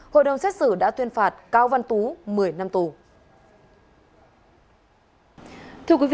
hội đồng xét xử đã tuyên phạt cao văn tú một mươi năm tù